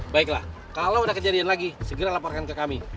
baiklah kalau ada kejadian lagi segera laporkan ke kami